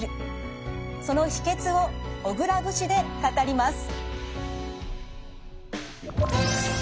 その秘けつを小倉節で語ります。